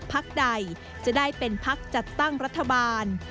พักใดจะได้เป็นพักจัดตั้งรัฐบาล